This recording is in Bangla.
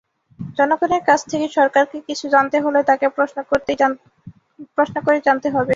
জনগণের কাছ থেকে সরকারকে কিছু জানতে হলে তাঁকে প্রশ্ন করেই জানতে হবে।